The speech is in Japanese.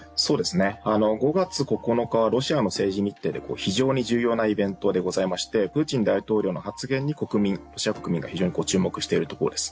５月９日はロシアの政治日程で非常に重要なイベントでございましてプーチン大統領の発言にロシア国民が注目しているところです。